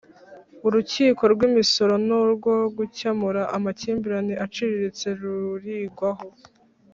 urukiko rw'imisoro n'urwo gukemura amakimbirane aciriritse rurigwaho.